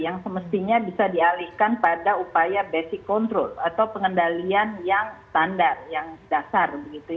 yang semestinya bisa dialihkan pada upaya basic control atau pengendalian yang standar yang dasar